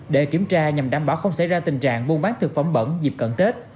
để kiểm tra nhằm đảm bảo không xảy ra tình trạng buôn bán thực phẩm bẩn dịp cận tết